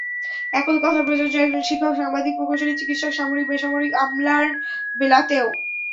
একই কথা প্রযোজ্য একজন শিক্ষক, সাংবাদিক, প্রকৌশলী, চিকিৎসক, সামরিক-বেসামরিক আমলার বেলাতেও।